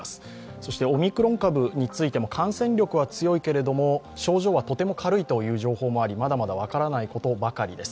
そして、オミクロン株についても感染力は強いけれど症状はとても軽いという情報もあり、まだまだ分からないことばかりです。